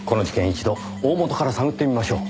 一度大本から探ってみましょう。